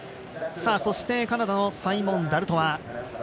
そしてカナダのサイモン・ダルトワ。